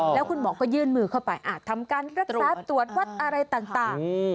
แล้วคุณหมอก็ยื่นมือเข้าไปทำการรักษาตรวจวัดอะไรต่าง